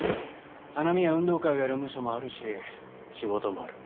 花見や運動会をやるムショもあるし仕事もある。